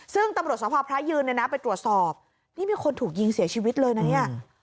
ซึ่งตำรวจสภาพพระยืนเนี่ยนะไปตรวจสอบนี่มีคนถูกยิงเสียชีวิตเลยนะเนี่ย